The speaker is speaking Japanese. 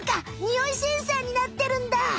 ニオイセンサーになってるんだ。